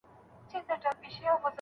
شاګرد د خپلي موضوع حدود ټاکي.